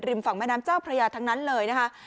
ฝั่งแม่น้ำเจ้าพระยาทั้งนั้นเลยนะคะ